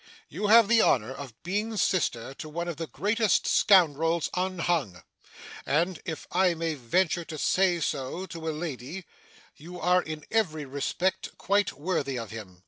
You have the honour of being sister to one of the greatest scoundrels unhung; and, if I may venture to say so to a lady, you are in every respect quite worthy of him.